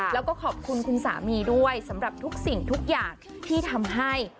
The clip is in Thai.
แล้วก็ขอบคุณคุณสามีด้วยสำหรับทุกสิ่งทุกอย่างที่ทำให้